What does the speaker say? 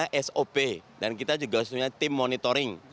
kita punya sop dan kita juga punya tim monitoring